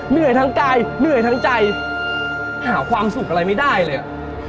เหนื่อยทั้งกายเหนื่อยทั้งใจหาความสุขอะไรไม่ได้เลยอ่ะ